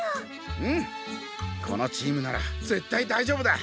うんこのチームなら絶対大丈夫だ。